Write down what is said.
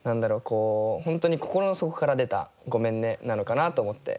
こう本当に心の底から出た「ごめんね」なのかなと思って。